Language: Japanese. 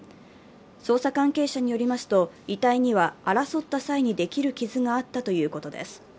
捜査関係者によりますと、遺体には争った際にできる傷があったということです。